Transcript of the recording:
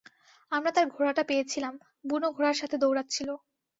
আমরা তার ঘোড়াটা পেয়েছিলাম, বুনো ঘোড়ার সাথে দৌড়াচ্ছিল।